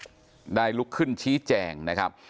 อดีตประธานของสูตรศาลได้ลุกขึ้นชี้แจงนะครับ